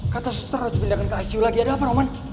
kata suster harus dipindahkan ke icu lagi ada apa roman